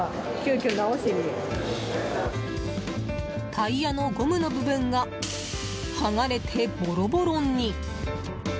タイヤのゴムの部分が剥がれてボロボロに。